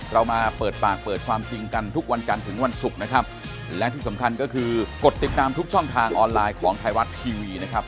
เรามาเปิดปากเปิดความจริงกันทุกวันกันถึงวันศุกร์นะครับและที่สำคัญก็คือกดติดตามทุกช่องทางออนไลน์ของไทยรัฐทีวีนะครับ